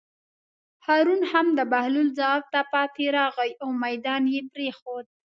هارون هم د بهلول ځواب ته پاتې راغی او مېدان یې پرېښود.